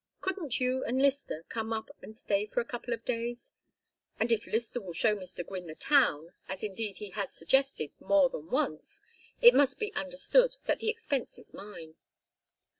Couldn't you and Lyster come up and stay for a couple of days? And if Lyster will show Mr. Gwynne the town, as indeed he has suggested more than once, it must be understood that the expense is mine."